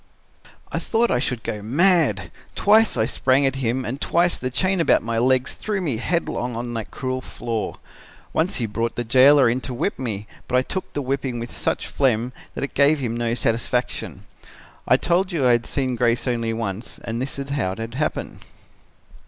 "I thought I should go mad. Twice I sprang at him and twice the chain about my legs threw me headlong on that cruel floor. Once he brought the jailer in to whip me, but I took the whipping with such phlegm that it gave him no satisfaction. I told you I had seen Grace only once and this is how it happened.